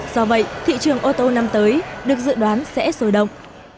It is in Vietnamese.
do vậy thị trường ô tô năm tới được dự đoán sẽ sôi động